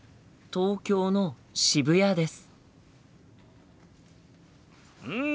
「東京の渋谷です」。